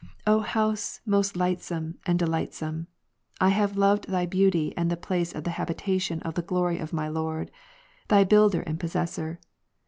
O house most lightsome Ps. 26, and delightsome !/ have loved thy beauty and the place of the habitation of the glory of my Lord, thy builder and possessor.